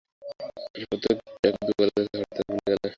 প্রত্যহ যাকে দু বেলা দেখছ তাকে হঠাৎ ভুলে গেলে?